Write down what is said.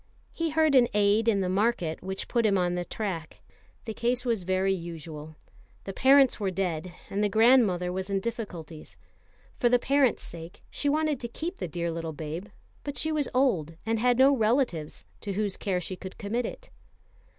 He heard an aside in the market which put him on the track. The case was very usual. The parents were dead, and the grandmother was in difficulties. For the parents' sake she wanted to keep the dear little babe; but she was old, and had no relatives to whose care she could commit it.